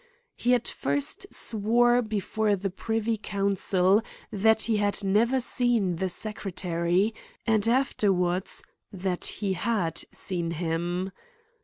He at first, swore before the privy council, that he had never seen the secretary and afterwards, that he had seen him.